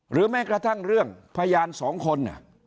แม้กระทั่งเรื่องพยานสองคน